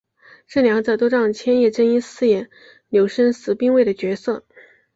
这两者都让千叶真一饰演柳生十兵卫的角色。